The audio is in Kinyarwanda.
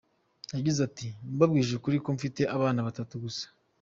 Yagize ati “Mbabwije ukuri ko mfite abana batatu gusa.